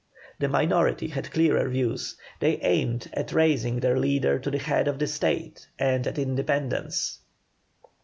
The minority had clearer views; they aimed at raising their leader to the head of the State, and at independence.